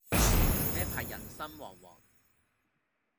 呢排人心惶惶